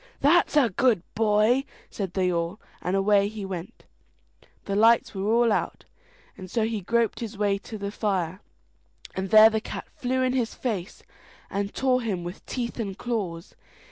"That's a good boy!" said they all, and away he went. The lights were all out, and so he groped his way to the fire, and there the cat flew in his face, and tore him with teeth and claws.